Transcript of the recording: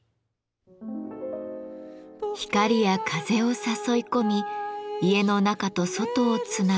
光や風を誘い込み家の中と外をつなぐ「窓」。